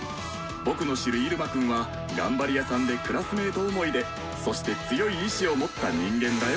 僕の知るイルマくんは頑張り屋さんでクラスメート思いでそして強い意志を持った人間だよ。